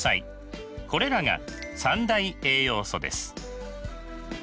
これらが三大栄養素です。